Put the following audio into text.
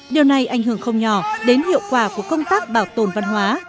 điều này ảnh hưởng không nhỏ đến hiệu quả của công tác bảo tồn văn hóa